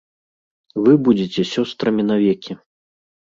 Вы будзеце сёстрамі навекі.